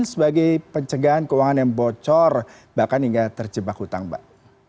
sebagai pencegahan keuangan yang bocor bahkan hingga terjebak hutang mbak